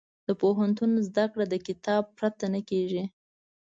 د پوهنتون زده کړه د کتاب پرته نه کېږي.